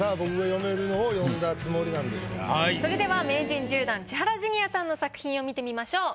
それでは名人１０段千原ジュニアさんの作品を見てみましょう。